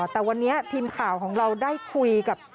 แต่วันนี้ทีมข่าวของเราได้คุยกับ